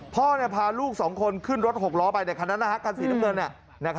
พ่อพาลูกสองคนขึ้นรถหกล้อไปในคันนั้นนะครับกันศรีน้ำเงิน